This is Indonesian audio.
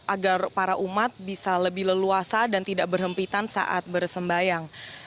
agar para umat bisa lebih leluasa dan tidak berhempitan saat bersembayang